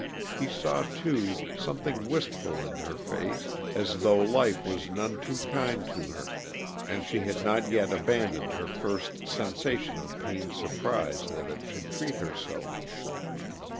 He saw, too, something wistful in her face, as though life was none too kind to her, and she had not yet abandoned her first sensation of pained surprise that it should treat her so.